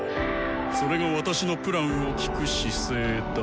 それが私の計画を聞く姿勢だ。